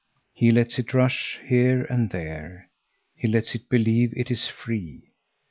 He lets it rush here and there. He lets it believe it is free.